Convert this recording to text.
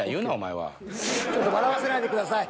ちょっと笑わせないでください。